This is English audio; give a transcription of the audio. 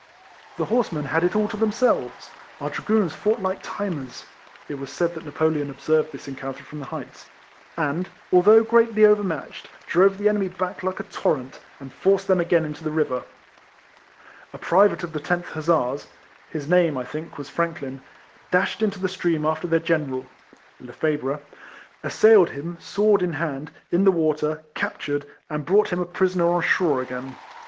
The horsemen had it all to themselves; our Drao oons fousjht like timers,* and, althousfh greatly ovemiatchod, drove the enemy back like a torrent, and forced them again into the river. A private of the 10th Hussars — his name, I think, was Franklin — dashed into the stream after their General (Lefebvre), assailed him, sword in hand, in the water, captured, and brought him a prisoner on shore again.